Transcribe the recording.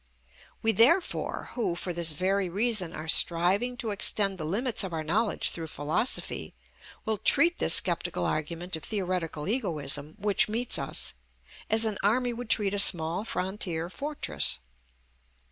We therefore who, for this very reason, are striving to extend the limits of our knowledge through philosophy, will treat this sceptical argument of theoretical egoism which meets us, as an army would treat a small frontier fortress.